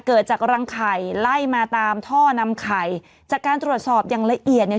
เกิดจากรังไข่ไล่มาตามท่อนำไข่จากการตรวจสอบอย่างละเอียดเนี่ย